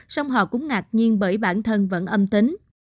xong họ cũng ngạc nhiên bởi bản thân vẫn âm tính